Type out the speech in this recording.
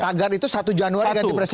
tagar itu satu januari ganti presiden